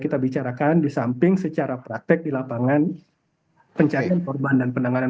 kita bicarakan di samping secara praktek di lapangan pencarian korban dan penanganan